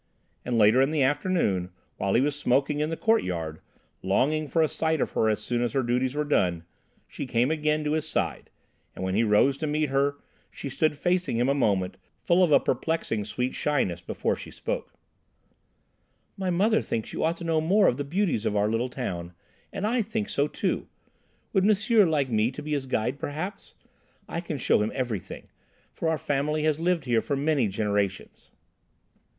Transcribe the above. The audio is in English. And, later in the afternoon, while he was smoking in the courtyard, longing for a sight of her as soon as her duties were done, she came again to his side, and when he rose to meet her, she stood facing him a moment, full of a perplexing sweet shyness before she spoke— "My mother thinks you ought to know more of the beauties of our little town, and I think so too! Would M'sieur like me to be his guide, perhaps? I can show him everything, for our family has lived here for many generations."